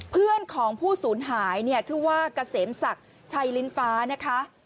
เพื่อนของผู้สูญหายเนี่ยชื่อว่าเกษมศักดิ์ชัยลิ้นฟ้านะคะ